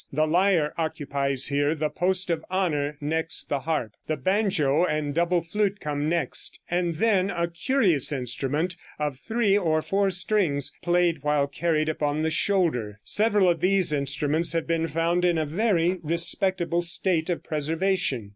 The lyre occupies here the post of honor next the harp. The banjo and double flute come next, and then a curious instrument of three or four strings, played while carried upon the shoulder. Several of these instruments have been found in a very respectable state of preservation.